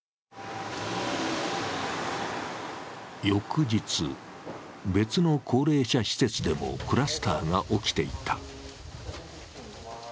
翌日、別の高齢者施設でもクラスターが起きていた。